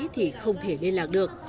thì không thể liên lạc được